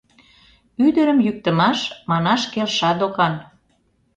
Ӱдырым йӱктымаш манаш келша докан.